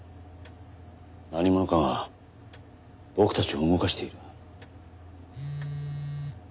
何者かが僕たちを動かしている。